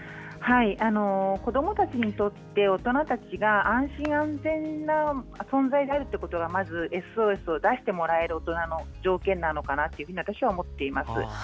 子どもたちにとって大人たちが安心・安全な存在であるということがＳＯＳを出してもらえる大人の条件なのかと私は思っています。